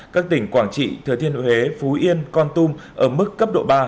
các tỉnh quảng trị thừa thiên huế phú yên con tum ở mức cấp độ ba